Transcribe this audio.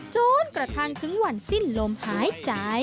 จนกระทั่งถึงวันสิ้นลมหายใจ